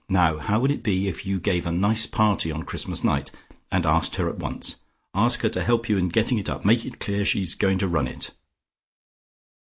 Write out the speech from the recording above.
Now how would it be if you gave a nice party on Christmas night, and asked her at once? Ask her to help you in getting it up; make it clear she's going to run it."